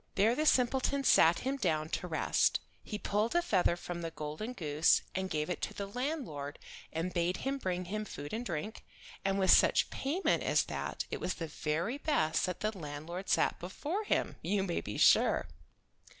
There the simpleton sat him down to rest. He pulled a feather from the golden goose, and gave it to the landlord and bade him bring him food and drink, and with such payment as that it was the very best that the landlord sat before him you may be sure.